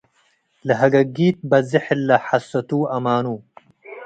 ለሀገጊት ብዜሕ ሀለ ሐሰቱ ወአማኑ